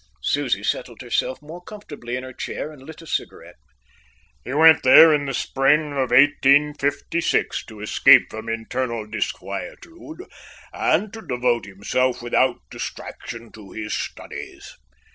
Susie settled herself more comfortably in her chair and lit a cigarette. "He went there in the spring of 1856 to escape from internal disquietude and to devote himself without distraction to his studies.